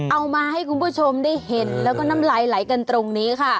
เอามาให้คุณผู้ชมได้เห็นแล้วก็น้ำลายไหลกันตรงนี้ค่ะ